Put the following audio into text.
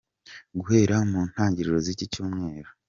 Guhera mu ntangiriro z’iki Cyumweru.